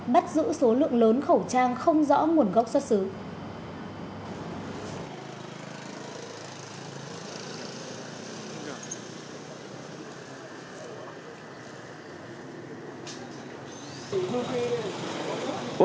bắt giữ số lượng lớn khẩu trang không rõ nguồn gốc xuất xứ